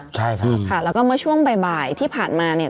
ใช่ครับค่ะแล้วก็เมื่อช่วงบ่ายที่ผ่านมาเนี่ย